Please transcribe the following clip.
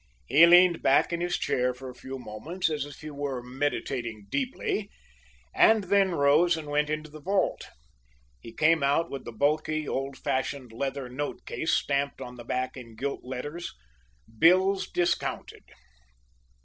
He leaned back in his chair for a few moments as if he were meditating deeply, and then rose and went into the vault. He came out with the bulky, old fashioned leather note case stamped on the back in gilt letters, "Bills Discounted."